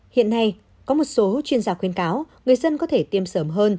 hiện nay có một số chuyên gia khuyên cáo người dân có thể tiêm sớm hơn